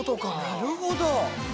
なるほど。